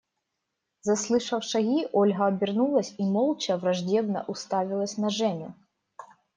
Заслышав шаги, Ольга обернулась и молча враждебно уставилась на Женю.